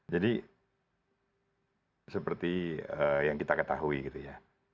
jadi seperti yang kita ketahui gitu ya